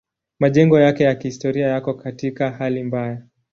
Majengo yake ya kihistoria yako katika hali mbaya.